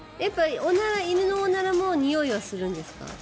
犬のおならもにおいはするんですか？